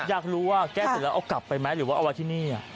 อยากรู้ว่าแก้เสร็จแล้วเอากลับไปไหมหรือว่าเอาไว้ที่นี่